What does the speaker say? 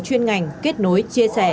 chuyên ngành kết nối chia sẻ